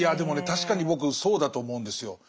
確かに僕そうだと思うんですよ。